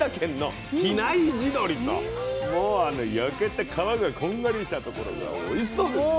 もう焼けて皮がこんがりしたところがおいしそうですね。